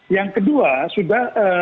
yang kedua sudah